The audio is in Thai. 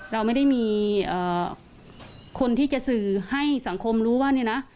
เราไม่ได้มีคนที่จะสื่อให้สังคมรู้ว่าเนี่ยนะ